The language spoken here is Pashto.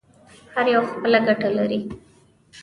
هر یو خپله ګټه لري.